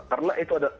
karena itu ada